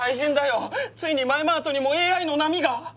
ついにマエマートにもＡＩの波が！